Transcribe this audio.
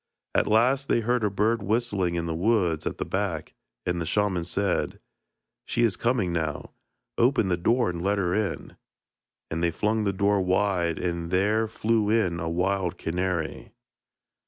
At last they heard a bird whistling in the woods at the back, and the shaman said: 'She is coming now; open the door and let her in,' and they flung the door wide, and there flew in a wild canary.